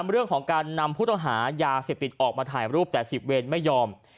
เรื่องของการนำผู้ต้องหายาเสพติดออกมาถ่ายรูปแต่๑๐เวรไม่ยอม